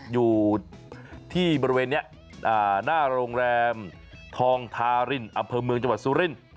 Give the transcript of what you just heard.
อยู่ที่บริเวณนี้หน้าโรงแรมทองทารินอำเภอเมืองจังหวัดสุรินทร์